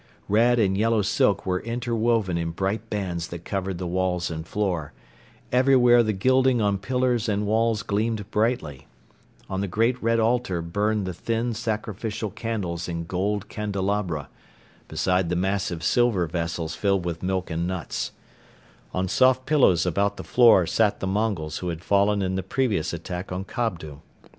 Red and yellow silk were interwoven in bright bands that covered the walls and floor, everywhere the gilding on pillars and walls gleamed brightly; on the great red altar burned the thin sacrificial candles in gold candelabra, beside the massive silver vessels filled with milk and nuts; on soft pillows about the floor sat the Mongols who had fallen in the previous attack on Kobdo.